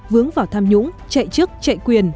vướng vào tham nhũng chạy chức chạy quyền